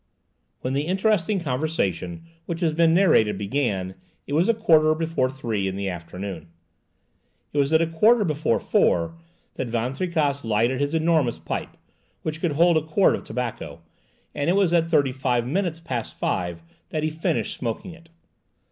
When the interesting conversation which has been narrated began, it was a quarter before three in the afternoon. It was at a quarter before four that Van Tricasse lighted his enormous pipe, which could hold a quart of tobacco, and it was at thirty five minutes past five that he finished smoking it.